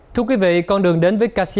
thưa quý vị con đường đến với casino